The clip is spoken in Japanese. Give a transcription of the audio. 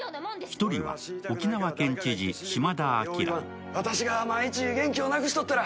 １人は沖縄県知事・島田叡。